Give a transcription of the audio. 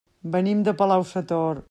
Venim de Palau-sator.